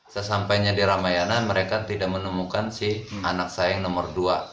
sesampainya di ramayana mereka tidak menemukan si anak saya yang nomor dua